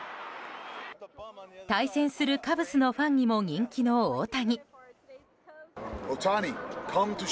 対戦するカブスのファンにも人気の大谷。